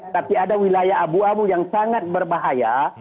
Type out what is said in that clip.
tapi ada wilayah abu abu yang sangat berbahaya